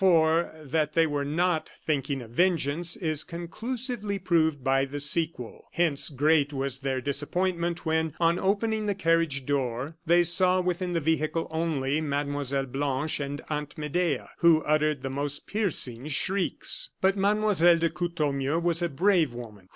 For, that they were not thinking of vengeance, is conclusively proved by the sequel. Hence great was their disappointment when, on opening the carriage door, they saw within the vehicle only Mlle. Blanche and Aunt Medea, who uttered the most piercing shrieks. But Mlle. de Courtornieu was a brave woman.